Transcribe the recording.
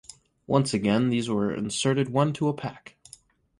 Once again these were inserted one-to-a-pack.